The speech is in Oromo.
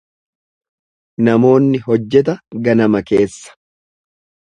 Namoonni hojjeta ganama keessa.